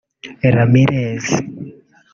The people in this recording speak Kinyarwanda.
Ramirez